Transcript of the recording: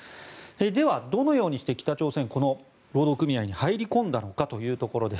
では、どのようにして北朝鮮はこの労働組合に入り込んだのかというところです。